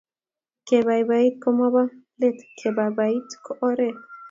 kebaibait ko Mobo let kebaibait ko oret